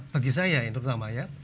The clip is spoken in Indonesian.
bagi saya terutama ya